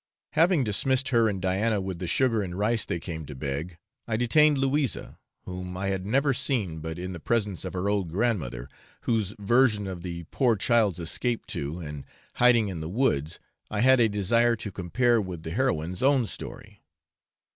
Having dismissed her and Diana with the sugar and rice they came to beg, I detained Louisa, whom I had never seen but in the presence of her old grandmother, whose version of the poor child's escape to, and hiding in the woods, I had a desire to compare with the heroine's own story.